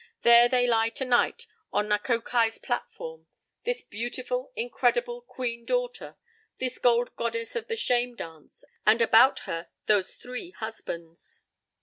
There they lie tonight on Nakokai's platform—this beautiful, incredible 'Queen Daughter'—this gold goddess of the 'Shame Dance'—and about her those three husbands.